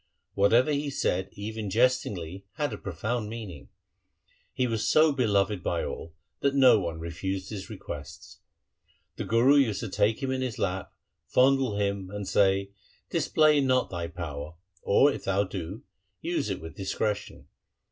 Whatever he said even jest ingly had a profound meaning. He was so beloved by all, that no one refused his requests. The Guru used to take him in his lap, fondle him, and say ' Display not thy power, or, if thou do, use it with discretion.